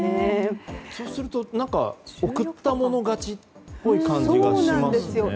そうすると送った者勝ちっぽい感じがしますよね。